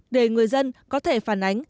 để người dân có thể phản ánh